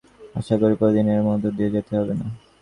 আশা করি প্রতিদিন এর মধ্য দিয়ে যেতে হবে না।